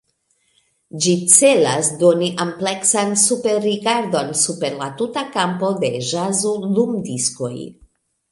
Ĝi celas doni ampleksan superrigardon super la tuta kampo de ĵazo-lumdiskoj.